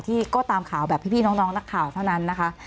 ที่ก็ตามข่าวแบบพี่น้องนักข่าวเท่านั้นนะคะ